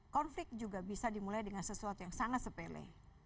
konflik juga bisa dimulai dengan sesuatu yang sangat sepele